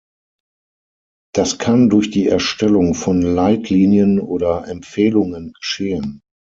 Das kann durch die Erstellung von Leitlinien oder Empfehlungen geschehen.